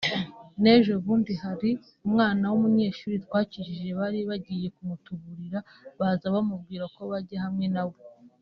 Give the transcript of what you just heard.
n’ejo bundi hari umwana w’umunyeshuri twakijije bari bagiye kumutuburira baza bamubwira ko bajya hamwe nawe